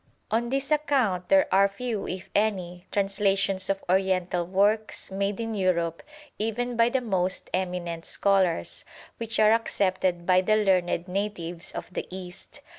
On this account there are few, if any, translations of Oriental works made in Europe, even by the most eminent scholars, which are accepted by the learned natives of the East.